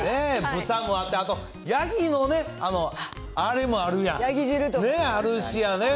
豚もあって、あとヤギのね、あれもあるやん。